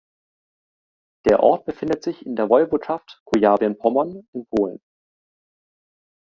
Der Ort befindet sich in der Woiwodschaft Kujawien-Pommern in Polen.